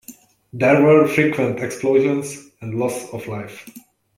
There were frequent explosions and loss of life.